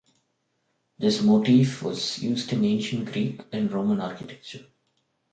This motif was used in Ancient Greek and Roman architecture.